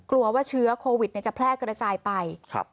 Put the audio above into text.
กลัวว่าเชื้อโควิดเนี้ยจะแพร่กระจายไปครับ